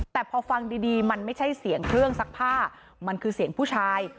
แต่พอฟังดีมันไม่ใช่เสียงเครื่องซักผ้ามันคือเสียงผู้ชาย